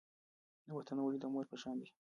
وطن ولې د مور په شان دی؟